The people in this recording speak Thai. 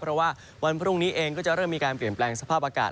เพราะว่าวันพรุ่งนี้เองก็จะเริ่มมีการเปลี่ยนแปลงสภาพอากาศ